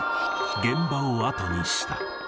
現場を後にした。